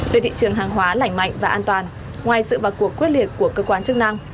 từ thị trường hàng hóa lảnh mạnh và an toàn ngoài sự vào cuộc quyết liệt của cơ quan chức năng